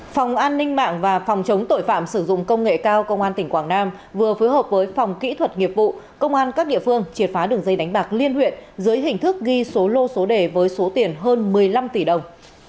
phòng an ninh mạng và phòng chống tội phạm sử dụng công nghệ cao công an tỉnh quảng nam vừa phối hợp với phòng kỹ thuật nghiệp vụ công an các địa phương triệt phá đường dây đánh bạc liên huyện dưới hình thức ghi số lô số đề với số tiền hơn một mươi năm tỷ đồng